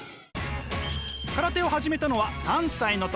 空手を始めたのは３歳の時。